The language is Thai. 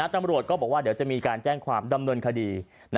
ตำรวจก็บอกว่าเดี๋ยวจะมีการแจ้งความดำเนินคดี